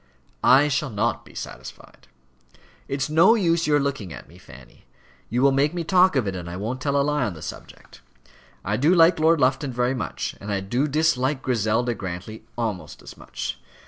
"I shall not be satisfied. It's no use your looking at me, Fanny. You will make me talk of it, and I won't tell a lie on the subject. I do like Lord Lufton very much; and I do dislike Griselda Grantly almost as much.